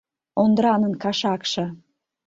— Ондранын кашакше...